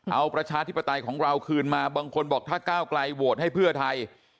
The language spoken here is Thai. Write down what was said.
เอาประชาธิปไตยของเราคืนมาบางคนบอกถ้าก้าวไกลโหวตให้เพื่อไทย